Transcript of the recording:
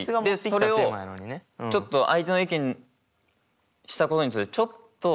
それをちょっと相手の意見したことについてちょっと否定した。